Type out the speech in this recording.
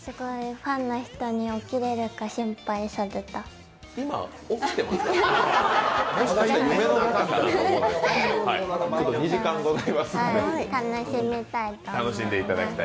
ファンの人に起きれるか心配された。